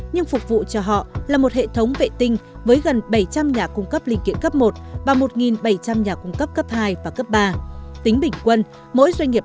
nhưng phục vụ cho họ là một hệ thống vệ tinh với gần bảy trăm linh nhà cung cấp linh kiện cấp một và một bảy trăm linh nhà cung cấp cấp hai và cấp ba